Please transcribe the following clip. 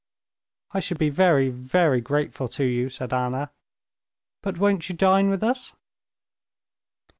"I should be very, very grateful to you," said Anna. "But won't you dine with us?"